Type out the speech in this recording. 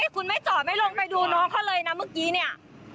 คุณไม่จอดไม่ลงไปดูน้องเขาเลยนะเมื่อกี้เนี่ย